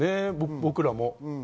僕らも。